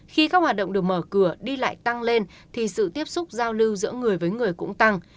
khi các hoạt động được mở cửa đi lại tăng lên thì sự tiếp xúc giao lưu giữa người với người cũng tăng